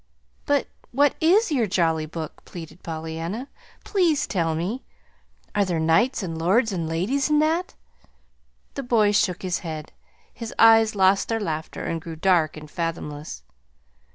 "But what IS your Jolly Book?" pleaded Pollyanna. "Please tell me. Are there knights and lords and ladies in that?" The boy shook his head. His eyes lost their laughter and grew dark and fathomless.